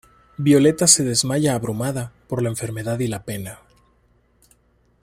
Violeta se desmaya abrumada por la enfermedad y la pena.